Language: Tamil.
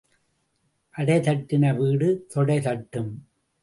அடை தட்டின வீடு தொடை தட்டும்.